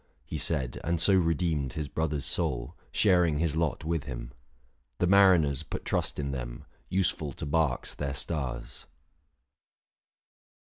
He said : and so redeemed his brother's soul, Sharing his lot with him. The mariners 825 Put trust in them ; useful to barks their stars.